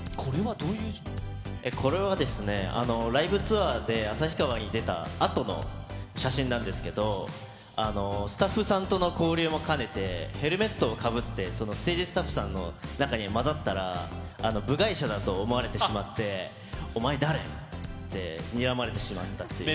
これはですね、ライブツアーで旭川に出たあとの写真なんですけど、スタッフさんとの交流も兼ねて、ヘルメットをかぶって、そのステージスタッフさんの中に交ざったら、部外者だと思われてしまって、お前誰って、にらまれてしまったっていう。